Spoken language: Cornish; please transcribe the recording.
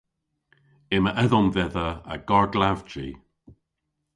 Yma edhomm dhedha a garr klavji.